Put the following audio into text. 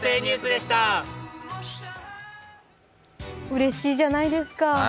うれしいじゃないですか。